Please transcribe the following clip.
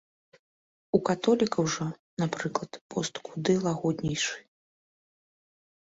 У каталікоў жа, напрыклад, пост куды лагоднейшы.